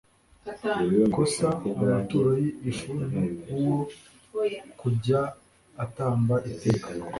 kosa amaturo y ifu n uwo kujya atamba iteka